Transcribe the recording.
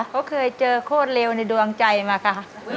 เขาเคยเจอโคตรเร็วในดวงใจมาค่ะ